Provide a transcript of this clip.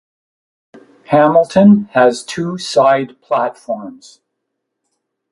Hamilton has two side platforms.